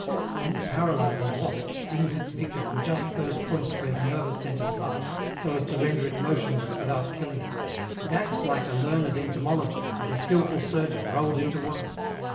When a paralyzing wasp stings its victim on just those points where the nervous centres lie, so as to render it motionless without killing it, it acts like a learned entomologist and a skilful surgeon rolled into one.